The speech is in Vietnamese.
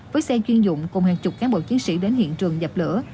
với xe chuyên dụng cùng hàng chục cán bộ chiến sĩ đến hiện trường dập lửa